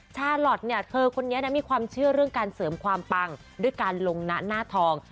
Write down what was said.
ชาลอทเนี่ยเธอคนนี้นะมีความเชื่อเรื่องการเสริมความปังด้วยการลงหน้าทอง